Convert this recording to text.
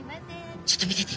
ちょっと見てて。